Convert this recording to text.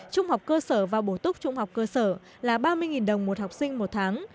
trung học cơ sở và bổ túc trung học cơ sở là ba mươi đồng một học sinh một tháng